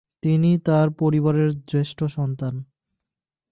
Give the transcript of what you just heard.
তিনি তার পরিবারের জ্যেষ্ঠ সন্তান।